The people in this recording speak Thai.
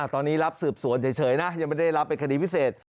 ตอนนี้รับสืบสวนเฉยนะยังไม่ได้รับเป็นคดีพิเศษ